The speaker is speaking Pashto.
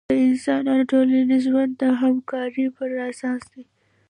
د انسانانو ټولنیز ژوند د همکارۍ پراساس دی.